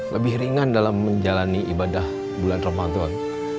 lebih ringan dalam menjalani ibadah bulan ramadan